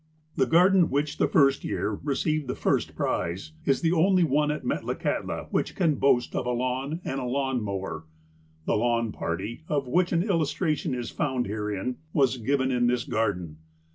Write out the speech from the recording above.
The garden which, the first year, received the first prize, is the only one at Metlakahtla which can boast of a lawn, and a lawn mower. The lawn party, of which an Illustration is found herein, was given in this garden.